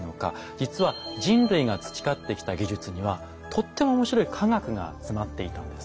実は人類が培ってきた技術にはとっても面白い科学が詰まっていたんです。